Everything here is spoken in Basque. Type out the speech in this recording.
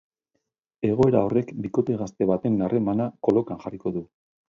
Egoera horrek bikote gazte baten harremana kolokan jarriko du.